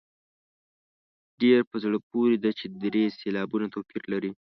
ډېره په زړه پورې ده چې درې سېلابه توپیر لري.